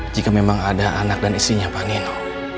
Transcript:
jika memang ada anak dan istrinya pak nino